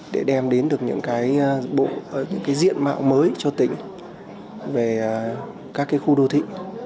để đem đến được những cái diện mạo mới cho tỉnh về các khu đô thị